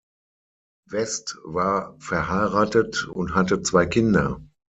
West war verheiratet und hatte zwei Kinder.